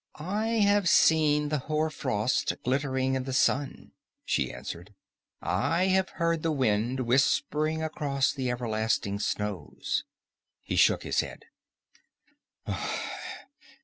"I have seen the hoar frost glittering in the sun," she answered. "I have heard the wind whispering across the everlasting snows." He shook his head.